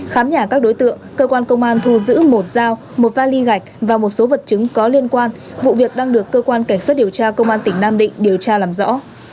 khám nhà các đối tượng cơ quan công an thu giữ một dao một vali gạch và một số vật chứng có liên quan vụ việc đang được cơ quan cảnh sát điều tra công an tỉnh nam định điều tra làm rõ